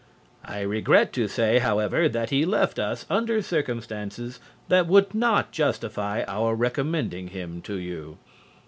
I regret to say, however, that he left us under circumstances that would not justify our recommending him to you.